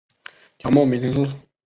条目名称是